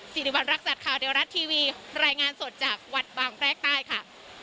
สิริวัณรักษาขาวเดียวรัดทีวีรายงานสดจากวัดบางแพร่กใต้ค่ะ